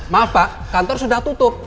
maaf pak kantor sudah tutup